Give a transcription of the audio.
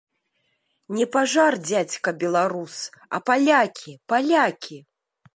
Не пажар, дзядзька беларус, а палякі, палякі!